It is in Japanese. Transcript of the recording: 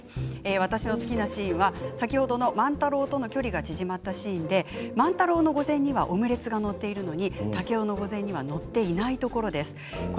私の好きなシーンは先ほどの万太郎との距離が縮まったシーンで万太郎のお膳にはオムレツが載っているのに竹雄のお膳にはオムレツが載っていないところです。